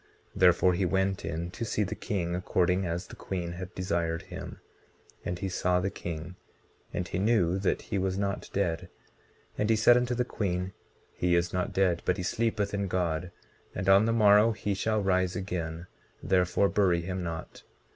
Therefore, he went in to see the king according as the queen had desired him; and he saw the king, and he knew that he was not dead. 19:8 And he said unto the queen: He is not dead, but he sleepeth in God, and on the morrow he shall rise again; therefore bury him not.